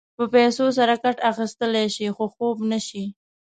په پیسو سره کټ اخيستلی شې خو خوب نه شې.